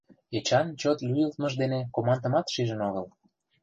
Эчан чот лӱйылтмыж дене командымат шижын огыл.